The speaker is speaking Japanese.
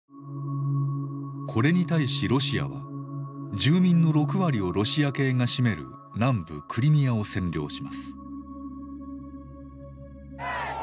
これに対しロシアは住民の６割をロシア系が占める南部クリミアを占領します。